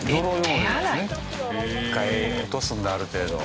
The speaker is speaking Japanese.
１回落とすんだある程度。